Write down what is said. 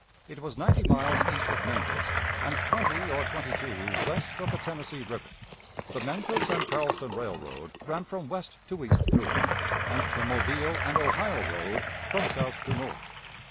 It was ninety miles east of Memphis and twenty or twenty two west of the Tennessee River. The Memphis and Charleston Railroad ran from west to east through it, and the Mobile and Ohio road from south to north.